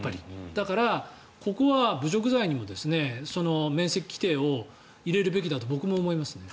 だからここは侮辱罪にも免責規定を入れるべきだと僕も思いますね。